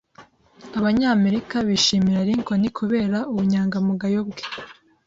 Abanyamerika bishimira Lincoln kubera ubunyangamugayo bwe.